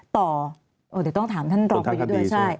ต่อต้องถามท่านรองกันด้วยใช่ไหม